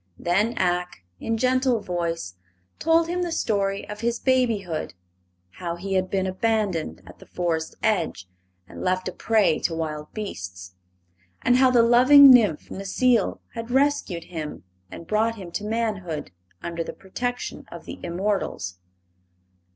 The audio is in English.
Then Ak, in gentle voice, told him the story of his babyhood: how he had been abandoned at the forest's edge and left a prey to wild beasts, and how the loving nymph Necile had rescued him and brought him to manhood under the protection of the immortals.